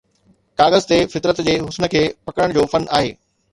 ڪاغذ تي فطرت جي حسن کي پڪڙڻ جو فن آهي